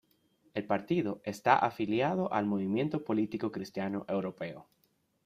El partido está afiliado al Movimiento Político Cristiano Europeo.